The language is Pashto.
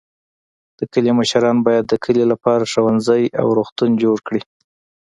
د کلي مشران باید د کلي لپاره ښوونځی او روغتون جوړ کړي.